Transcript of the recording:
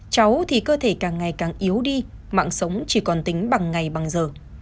cháu thì cơ thể càng ngày càng yếu đi mạng sống chỉ còn tính bằng ngày bằng giờ